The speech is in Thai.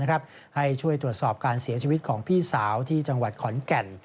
ให้ช่วยตรวจสอบการเสียชีวิตของพี่สาวที่จังหวัดขอนแก่น